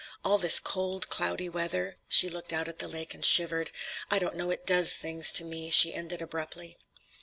All this cold, cloudy weather,"—she looked out at the lake and shivered,—"I don't know, it does things to me," she ended abruptly.